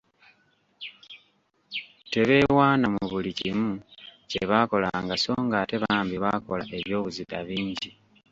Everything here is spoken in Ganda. Tebeewaana mu buli kimu kye baakolanga so ng'ate bambi baakola eby'obuzira bingi.